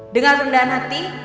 dengan rendahan hati